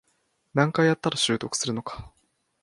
何回やったら習得するのか